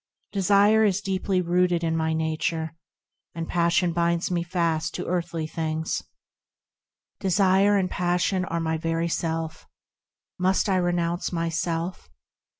Desire is deeply rooted in my nature, And passion binds me fast to earthly things, Yea, desire and passion are my very self ; Must I renounce myself